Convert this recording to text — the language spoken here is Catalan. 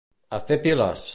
A fer piles!